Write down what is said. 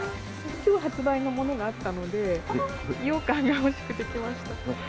きょう発売のものがあったので、ようかんが欲しくて来ました。